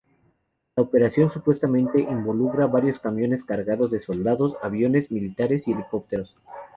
La operación supuestamente involucra varios camiones cargados de soldados, aviones militares y helicópteros.